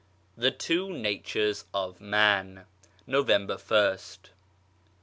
THE TWO NATURES IN MAN November ist.